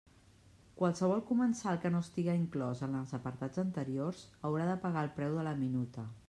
Qualsevol comensal que no estiga inclòs en els apartats anteriors haurà de pagar el preu de la minuta.